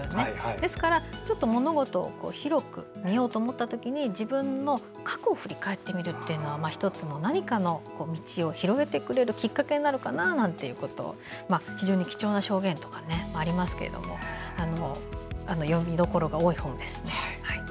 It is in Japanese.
ですから物事を広く見ようと思った時に自分の過去を振り返ってみようというのは１つの何かの道を広げてくれるきっかけになるかななんてことを非常に貴重な証言とかありますけど読みどころが多い本ですね。